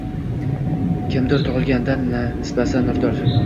Kimdir, tug‘ilgandan nisbasi nurdir